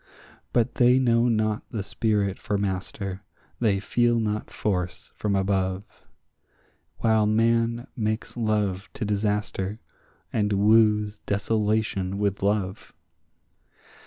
But they know not the spirit for master, they feel not force from above, While man makes love to disaster, and woos desolation with love.